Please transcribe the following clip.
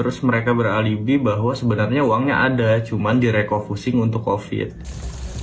husein mengatakan bahwa dia tidak bisa membayar uang untuk kepentingan acara latihan dasar guru muda